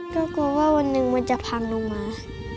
ก็กลัวว่าวันหนึ่งมันจะพังลงมา